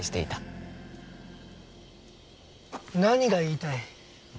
何が言いたい？